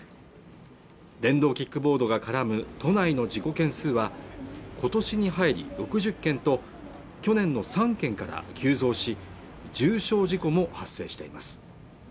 電動キックボードが絡む都内の事故件数は今年に入り６０件と去年の３件から急増し重傷事故も発生しています